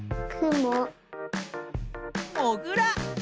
もぐら。